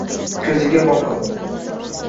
ko’ziga boqib